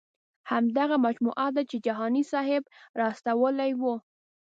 همدغه مجموعه ده چې جهاني صاحب را استولې وه.